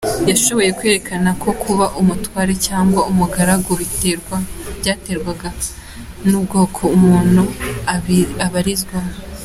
Yashoboye kwerekana ko kuba umutware cyangwa umugaragu bitaterwaga n’ubwoko umuntu abarizwamo.